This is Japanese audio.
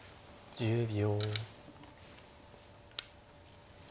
１０秒。